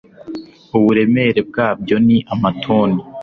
Uburemere bwabyo ni amatoni,